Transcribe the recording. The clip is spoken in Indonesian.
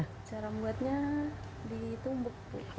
cara membuatnya ditumbuk